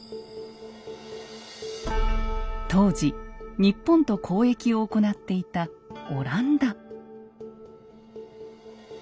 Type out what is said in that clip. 当時日本と交易を行っていたオランダ。